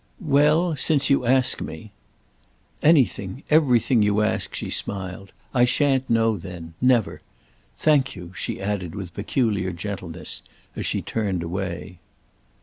"Well—since you ask me." "Anything, everything you ask," she smiled. "I shan't know then—never. Thank you," she added with peculiar gentleness as she turned away.